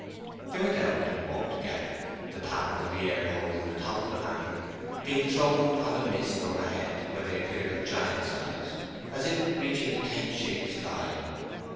They went out and walked together, the pattern of the air holes in the top of the lantern being thrown upon the mist overhead, where they appeared of giant size, as if reaching the tent shaped sky.